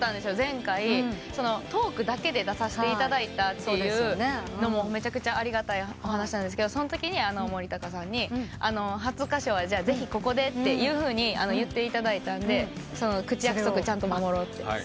前回トークだけで出させていただいたのもめちゃくちゃありがたいお話なんですがそのときに森高さんに「初歌唱はぜひここで」と言っていただいたんでその口約束ちゃんと守ろうって。